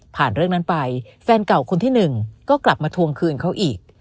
เรื่องนั้นไปแฟนเก่าคนที่หนึ่งก็กลับมาทวงคืนเขาอีก